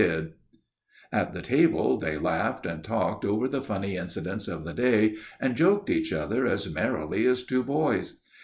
And at the table they laughed and talked over the funny incidents of the day, and joked each other as merrily as two boys.